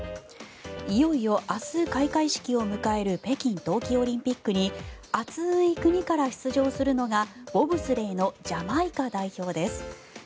いよいよ明日、開会式を迎える北京冬季オリンピックに暑い国から出場するのがボブスレーのジャマイカ代表です。